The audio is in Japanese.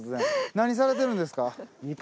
何されてるんですか？